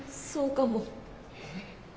そうかも。